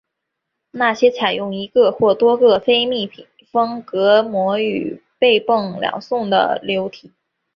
那些采用一个或多个非密封隔膜与被泵送两侧的流体。